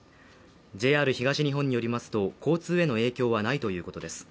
ＪＲ東日本によりますと、交通への影響はないということです。